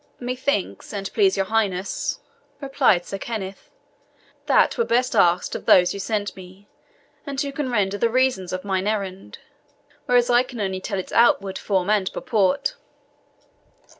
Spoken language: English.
"Methinks, and please your highness," replied Sir Kenneth, "that were best asked of those who sent me, and who can render the reasons of mine errand; whereas I can only tell its outward form and purport."